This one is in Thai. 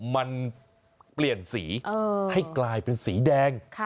มันเปลี่ยนสีให้กลายเป็นสีแดง